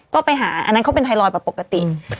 ก็ไปหาอันนั้นเขาเป็นไทรอยด์ปกติ